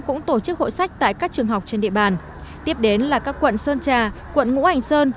cũng tổ chức hội sách tại các trường học trên địa bàn tiếp đến là các quận sơn trà quận ngũ hành sơn